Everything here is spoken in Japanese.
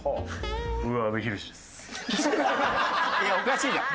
いやおかしいじゃん。